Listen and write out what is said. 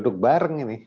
duduk bareng ini